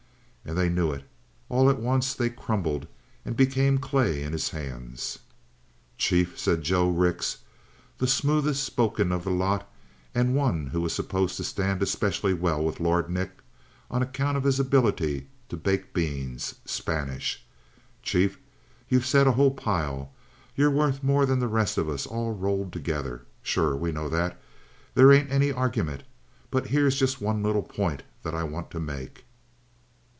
And they knew it. All at once they crumbled and became clay in his hands. "Chief," said Joe Rix, the smoothest spoken of the lot, and one who was supposed to stand specially well with Lord Nick on account of his ability to bake beans, Spanish. "Chief, you've said a whole pile. You're worth more'n the rest of us all rolled together. Sure. We know that. There ain't any argument. But here's just one little point that I want to make.